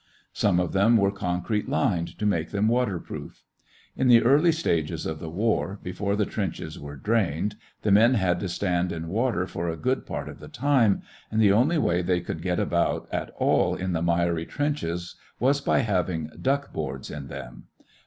Some of them were concrete lined to make them waterproof. In the early stages of the war, before the trenches were drained, the men had to stand in water for a good part of the time, and the only way they could get about at all in the miry trenches was by having "duck boards" in them.